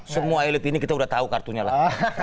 semua elit ini kita udah tahu kartunya lah